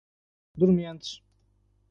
Dormentes